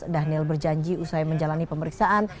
dhanil berjanji usai menjalani pemeriksaan